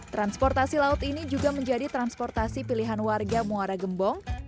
transportasi laut ini juga menjadi transportasi pilihan warga muara gembong